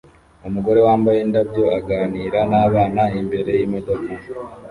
Umugore wambaye indabyo aganira nabana imbere yimodoka